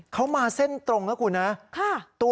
เขามาเส้นตรงนะคุณนะ